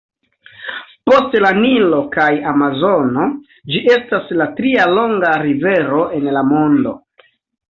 Post la Nilo kaj Amazono, ĝi estas la tria longa rivero en la mondo.